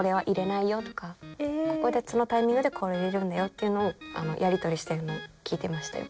ここでそのタイミングでこれ入れるんだよっていうのをやりとりしてるのを。